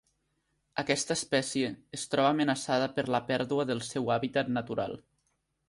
Aquesta espècie es troba amenaçada per la pèrdua del seu hàbitat natural.